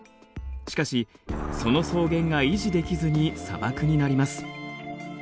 しかしその草原が維持できずに砂漠になります。